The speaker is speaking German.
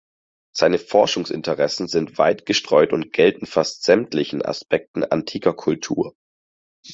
Seine Forschungsinteressen sind weit gestreut und gelten fast sämtlichen Aspekten antiker Kultur.